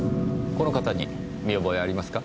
この方に見覚えありますか？